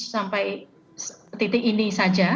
sampai titik ini saja